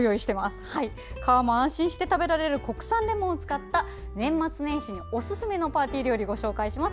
川も安心して食べられる国産レモンの年末年始におすすめのパーティー料理をご紹介します。